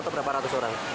atau berapa ratus orang